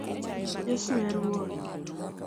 Yesu e Ruoth